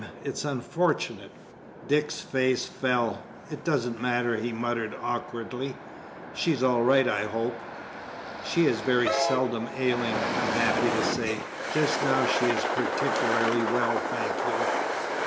It's unfortunate." Dick's face fell. "It doesn't matter," he muttered awkwardly. "She's all right, I hope?" "She is very seldom ailing, I'm happy to say; just now she is particularly well, thank you."